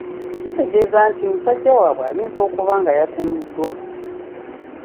Kitegeeeza nti musajja waabwe ayinza okuba nga yatemuddwa.